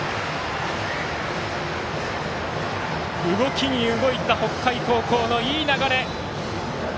動きに動いた北海高校のいい流れ。